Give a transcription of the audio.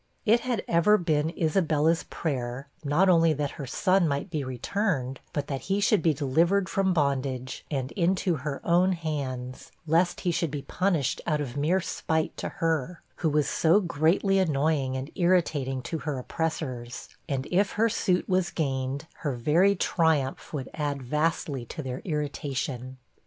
It had ever been Isabella's prayer, not only that her son might be returned, but that he should be delivered from bondage, and into her own hands, lest he should be punished out of mere spite to her, who was so greatly annoying and irritating to her oppressors; and if her suit was gained, her very triumph would add vastly to their irritation.